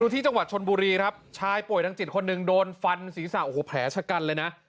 ที่จังหวัดชนบุรีครับชายป่วยทางจิตคนหนึ่งโดนฟันศีรษะโอ้โหแผลชะกันเลยนะ